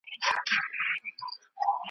قام ته د منظور پښتین ویاړلې ابۍ څه وايي .